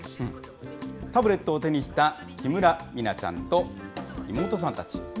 タブレットを手にした木村美菜ちゃんと妹さんたち。